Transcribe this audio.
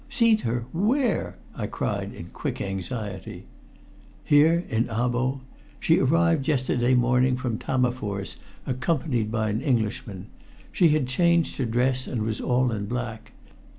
"Seen her! Where?" I cried in quick anxiety. "Here, in Abo. She arrived yesterday morning from Tammerfors accompanied by an Englishman. She had changed her dress, and was all in black.